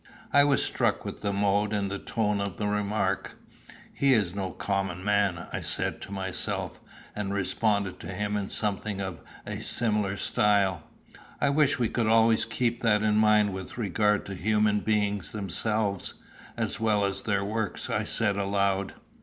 I was struck with the mode and tone of the remark. "Here is no common man," I said to myself, and responded to him in something of a similar style. "I wish we could always keep that in mind with regard to human beings themselves, as well as their works," I said aloud.